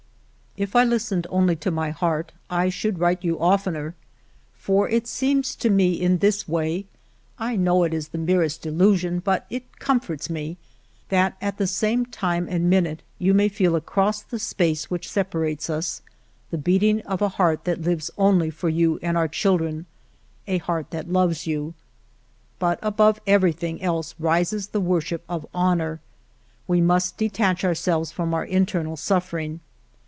" If I listened only to my heart, I should write you oftener, for it seems to me in this way — I know it is the merest illusion, but it com forts me — that at the same time and minute ALFRED DREYFUS 279 you may feel across the space which separates us the beating of a heart that lives only for you and our children, a heart that loves you. ..." But above everything else rises the worship of honor. We must detach ourselves from our internal suffering.